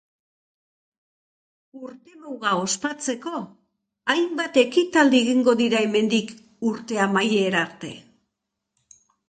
Urtemuga ospatzeko, hainbat ekitaldi egingo dira hemendik urte amaiera arte.